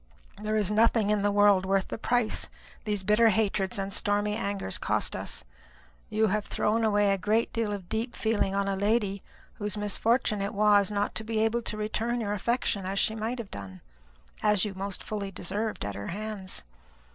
There is nothing in the world worth the price these bitter hatreds and stormy angers cost us. You have thrown away a great deal of deep feeling on a lady, whose misfortune it was not to be able to return your affection as she might have done as you most fully deserved at her hands.